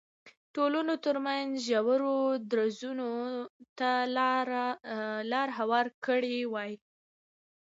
ټولنو ترمنځ ژورو درزونو ته لار هواره کړې وای.